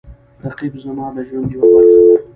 رقیب زما د ژوند یوه برخه ده